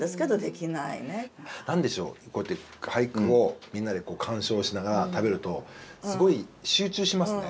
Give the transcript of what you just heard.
何でしょう俳句をみんなで鑑賞しながら食べるとすごい集中しますね。